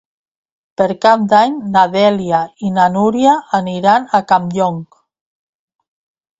Per Cap d'Any na Dèlia i na Núria aniran a Campllong.